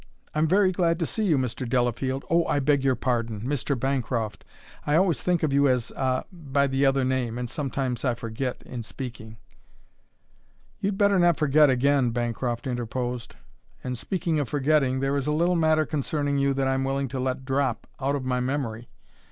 "I'm very glad to see you, Mr. Delafield oh, I beg your pardon! Mr. Bancroft. I always think of you as ah, by the other name and I sometimes forget in speaking." "You'd better not forget again," Bancroft interposed. "And, speaking of forgetting, there is a little matter concerning you that I'm willing to let drop out of my memory.